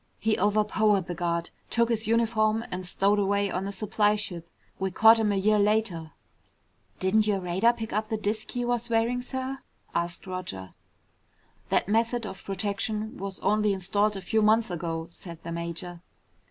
He overpowered the guard, took his uniform, and stowed away on a supply ship. We caught him a year later." "Didn't your radar pick up the disk he was wearing, sir?" asked Roger. "That method of protection was only installed a few months ago," said the major.